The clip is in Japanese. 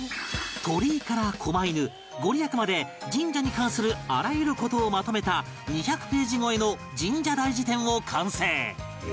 鳥居から狛犬御利益まで神社に関するあらゆる事をまとめた２００ページ超えの神社大辞典を完成